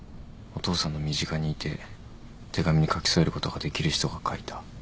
お父さんの身近にいて手紙に描き添えることができる人が描いた。